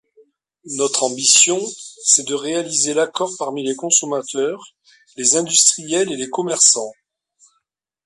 Notre ambition, c’est de réaliser l’accord parmi les consommateurs, les industriels et les commerçants.